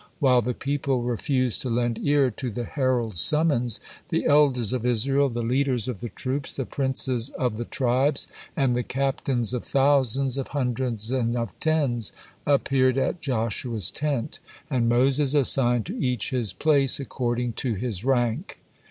While the people refused to lend ear to the herald's summons, the elders of Israel, the leaders of the troops, the princes of the tribes, and the captains of thousands, of hundreds, and of tens appeared at Joshua's tent, and Moses assigned to each his place according to his rank.